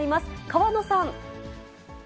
川野さん。